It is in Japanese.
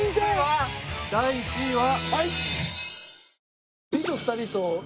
第１位は？